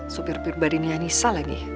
supir supir badannya nisa lagi